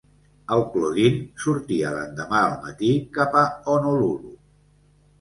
El Claudine sortia l'endemà al matí cap a Honolulu.